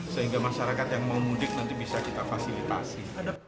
sehingga masyarakat yang mau mudik nanti bisa kita fasilitasi